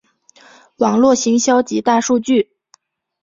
网路行销及大数据